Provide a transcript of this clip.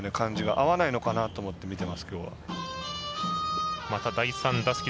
合わないのかなと思って見てます。